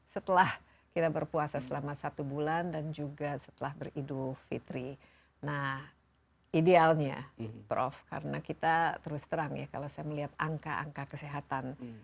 setelah kita berpuasa selama satu bulan dan juga setelah beridul fitri nah idealnya prof karena kita terus terang ya kalau saya melihat angka angka kesehatan